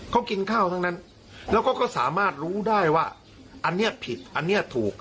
เขากินข้าวทั้งนั้นแล้วก็สามารถรู้ได้ว่าอันนี้ผิดอันนี้ถูก